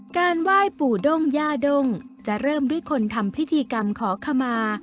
การไหว้ปู่ด้งย่าด้งจะเริ่มด้วยคนทำพิธีกรรมขอขมา